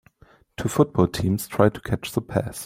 Two football teams try to catch the pass